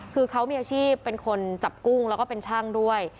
คือเขามีอาชีพเป็นคนจับกุ้งแล้วก็เป็นช่างด้วย